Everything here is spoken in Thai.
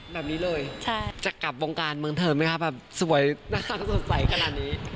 แบบนี้เลยจะกลับวงการเมืองเธอไหมคะแบบสวยนะคะสดใสขนาดนี้